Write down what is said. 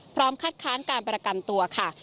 คัดค้านการประกันตัวค่ะ